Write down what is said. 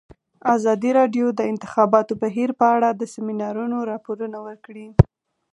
ازادي راډیو د د انتخاباتو بهیر په اړه د سیمینارونو راپورونه ورکړي.